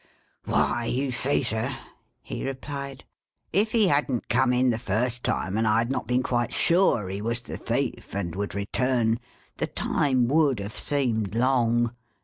' Why, you see, Sir,' he replied, ' if he hadn't come in, the first time, and I had not been quite sure he was the thief, and would return, the time would have seemed long.